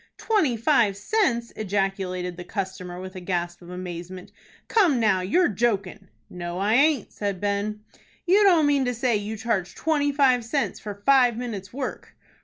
"Twenty five cents!" ejaculated the customer, with a gasp of amazement. "Come now, you're jokin'." "No, I aint," said Ben. "You don't mean to say you charge twenty five cents for five minutes' work?"